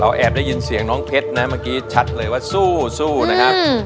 แอบได้ยินเสียงน้องเพชรนะเมื่อกี้ชัดเลยว่าสู้นะครับ